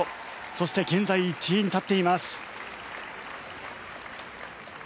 そして現在１位に立っています。